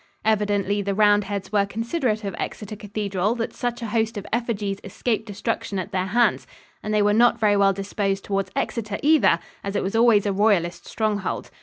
Evidently the Roundheads were considerate of Exeter Cathedral that such a host of effigies escaped destruction at their hands; and they were not very well disposed towards Exeter, either, as it was always a Royalist stronghold.